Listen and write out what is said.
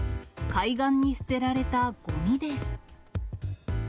海岸に捨てられたごみです。